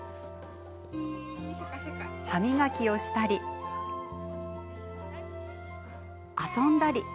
歯磨きをしたり、遊んだり。